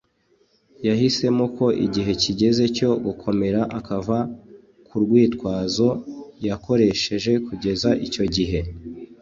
Yahisemo ko igihe kigeze cyo gukomera akava k’ urwitwazo yakoresheje kugeza icyo gihe.